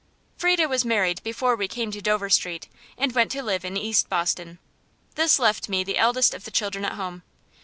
Frieda was married before we came to Dover Street, and went to live in East Boston. This left me the eldest of the children at home.